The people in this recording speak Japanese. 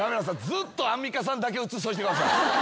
ずっとアンミカさんだけ映しといてください。